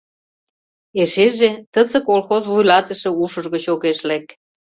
Эшеже тысе колхоз вуйлатыше ушыж гыч огеш лек.